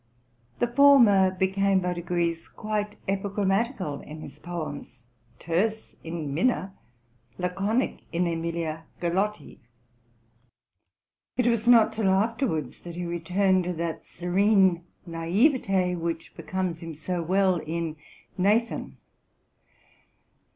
The former became by degrees quite epigrammatical in his poems, terse in '* Minna,'' laconic in Emilia Galotti,'' —it was not till afterwards that he returned to that serene naiveté which becomes him so well in '' Nathan.